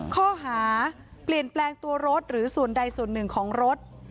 ข้อหาเปลี่ยนแปลงตัวรถหรือส่วนใดส่วนหนึ่งของรถ